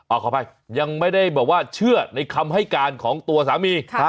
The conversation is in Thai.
อ้าวเขาไปยังไม่ได้เชื่อในคำให้การของตัวสามี